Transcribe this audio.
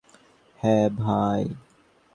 হ্যাঁ, ভাই?